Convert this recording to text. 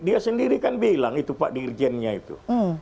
dia sendiri kan bilang itu pak dirjennya itu